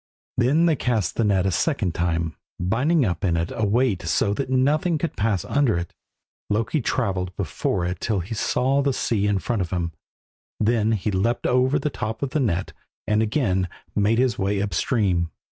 Then they cast the net a second time, binding up in it a weight so that nothing could pass under it. Loki travelled before it till he saw the sea in front of him. Then he leapt over the top of the net and again made his way up the stream.